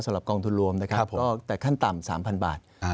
สำหรับกองทุนรวมแต่ขั้นต่ำ๓๐๐๐บาท